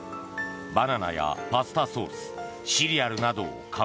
バナナやパスタソースシリアルなどを籠に。